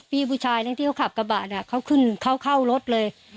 พี่ผู้ชายที่เขาขับกระบะเนี่ยเขาขึ้นเขาเข้ารถเลย